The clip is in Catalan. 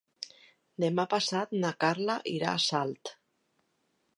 Demà passat na Carla irà a Salt.